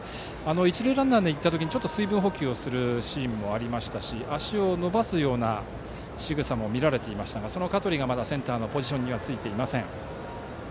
一塁ランナーに行った時水分補給をするシーンもありましたし足を伸ばすようなしぐさも見られていましたがその香取がまだセンターの位置についていません。